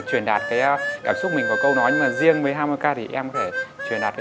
truyền đạt cái cảm xúc mình có câu nói nhưng mà riêng với harmonica thì em thể truyền đạt cái